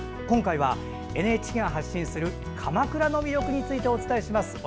今回は、ＮＨＫが発信する鎌倉の魅力についてお伝えします。